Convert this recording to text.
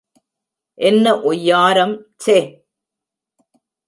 என்ன ஒய்யாரம் சே!